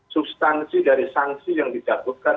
substansi dari sanksi yang dicabutkan